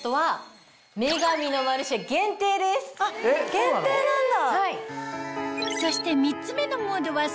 限定なんだ。